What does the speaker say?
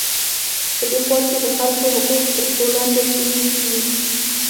په دې پارک کې د خلکو حقوق تر پښو لاندې شوي وو.